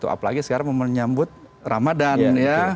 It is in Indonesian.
apalagi sekarang menyambut ramadan ya